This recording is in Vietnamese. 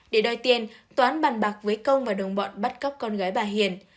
để đòi tiền toán bàn bạc với công và đồng bọn bắt cóc con gái bà hiền